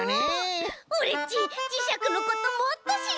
オレっちじしゃくのこともっとしりたい！